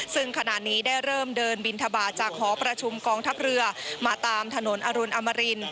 ซึ่งขณะนี้ได้เริ่มเดินบินทบาทจากหอประชุมกองทัพเรือมาตามถนนอรุณอมริน